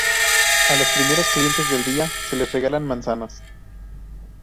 A los primeros clientes del día se les regalan manzanas.